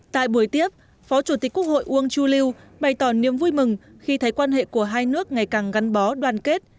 tại buổi tiếp phó chủ tịch quốc hội uông chu lưu bày tỏ niềm vui mừng khi thấy quan hệ của hai nước ngày càng gắn bó đoàn kết